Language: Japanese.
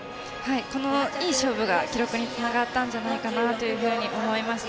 このいい勝負が記録につながったんじゃないかなと思いました。